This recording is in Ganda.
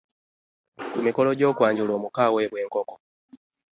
Ku mikolo gy'okwanjula omuko aweebwa enkoko.